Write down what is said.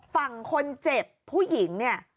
ฝั่งคนเจ็บผู้หญิงเนี่ย